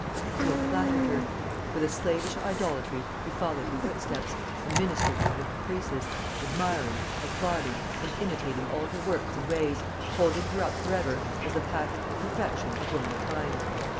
He had flattered her; with a slavish idolatry he followed her footsteps, and ministered to her caprices, admiring, applauding, and imitating all her works and ways, holding her up for ever as the pattern and perfection of womankind.